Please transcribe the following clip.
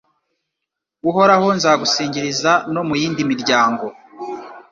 Uhoraho nzagusingiriza no mu yindi miryango